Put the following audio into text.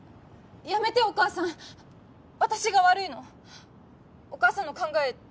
やめてお母さん私が悪いのお母さんの考え